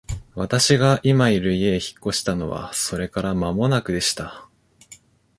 私が今居る家へ引っ越したのはそれから間もなくでした。